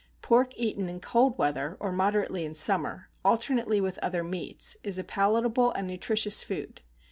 Pork eaten in cold weather, or moderately in summer, alternately with other meats, is a palatable and nutritious food.